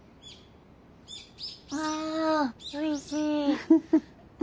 あおいしい。